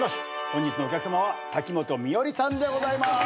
本日のお客さまは瀧本美織さんでございます。